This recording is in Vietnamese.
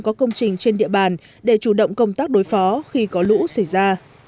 có công trình trên địa bàn để chủ động công tác đối phó khi có lũ xảy ra